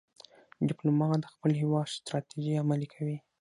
ډيپلومات د خپل هېواد ستراتیژۍ عملي کوي.